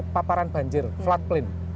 paparan banjir flat plain